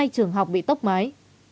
hai trường học bị tốc mái